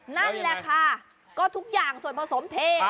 นั่นแหละค่ะก็ทุกอย่างส่วนผสมเท